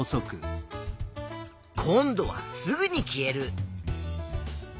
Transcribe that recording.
今度はすぐに消える。